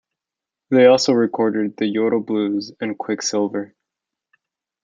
They also recorded "The Yodel Blues" and "Quicksilver.